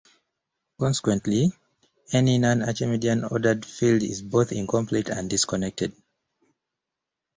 Consequently, any non-Archimedean ordered field is both incomplete and disconnected.